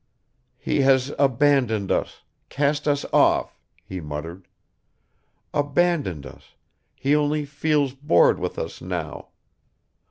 "He has abandoned us, cast us off!" he muttered. "Abandoned us, he only feels bored with us now.